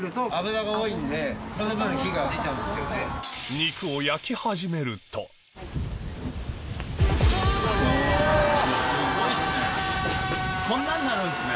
肉を焼き始めるとすごいっすね